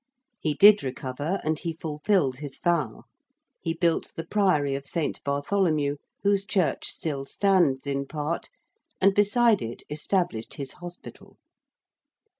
He did recover and he fulfilled his vow. He built the Priory of St. Bartholomew, whose church still stands in part and beside it established his hospital.